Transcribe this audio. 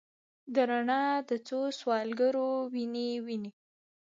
د رڼا د څوسوالګرو، وینې، وینې